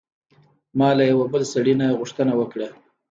ما له یوه بل سړي نه غوښتنه وکړه.